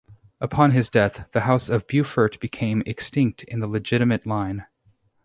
Upon his death the house of Beaufort became extinct in the legitimate line.